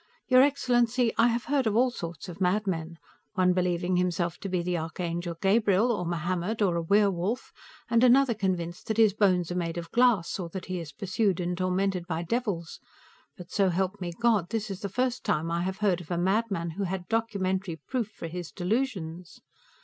Your excellency, I have heard of all sorts of madmen one believing himself to be the Archangel Gabriel, or Mohammed, or a werewolf, and another convinced that his bones are made of glass, or that he is pursued and tormented by devils but so help me God, this is the first time I have heard of a madman who had documentary proof for his delusions!